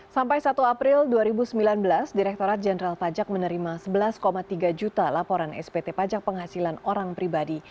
sampai satu april dua ribu sembilan belas direkturat jenderal pajak menerima sebelas tiga juta laporan spt pajak penghasilan orang pribadi